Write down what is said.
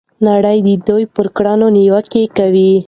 نړۍ د دوی پر کړنو نیوکې کوي.